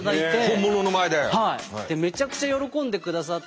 はい。